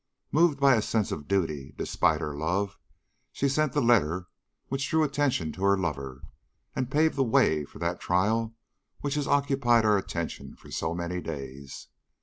Moved by a sense of duty, despite her love, she sent the letter which drew attention to her lover, and paved the way for that trial which has occupied our attention for so many days.